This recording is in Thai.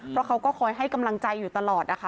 เพราะเขาก็คอยให้กำลังใจอยู่ตลอดนะคะ